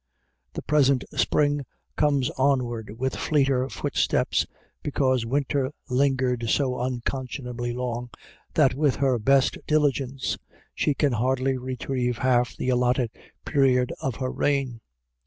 The present Spring comes onward with fleeter footsteps because Winter lingered so unconscionably long that with her best diligence she can hardly retrieve half the allotted period of her reign.